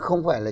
không phải là